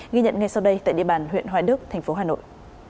ghi nhận ngay sau đây tại địa bàn huyện hoài đức thành phố hà nội